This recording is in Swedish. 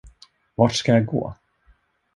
Vart skall jag gå?